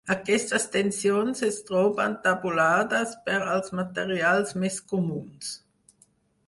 Aquestes tensions es troben tabulades per als materials més comuns.